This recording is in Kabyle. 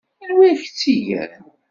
Anwa i k-tt-igan?